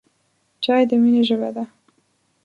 چای د مینې ژبه ده.